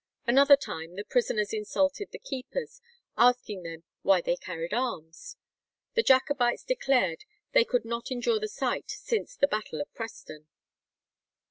Another time the prisoners insulted the keepers, asking them why they carried arms? The Jacobites declared they could not endure the sight since the battle of Preston.